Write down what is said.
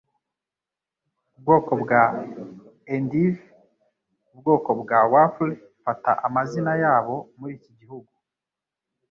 Ubwoko bwa endive & ubwoko bwa wafle fata amazina yabo muri iki gihugu